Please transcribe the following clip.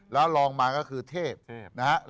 แล้วลองมาก็คือเทพนะฮะ